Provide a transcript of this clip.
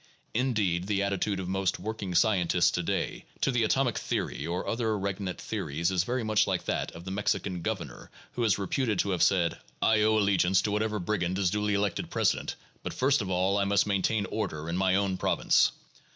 Indeed, the attitude of most working scientists to day to the atomic and other regnant theories is very much like that of the Mexican governor who is reported to have said: "I owe allegiance to what ever brigand is duly elected president, but first of all I must main tain order in my own province."